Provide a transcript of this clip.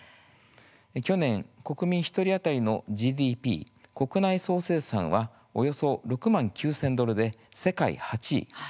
去年、国民１人当たりのＧＤＰ・国内総生産はおよそ６万９０００ドルで世界８位。